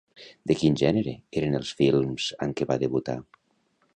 De quin gènere eren els films amb què va debutar?